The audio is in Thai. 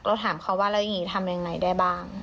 ถามเขาว่าแล้วอย่างนี้ทำยังไงได้บ้าง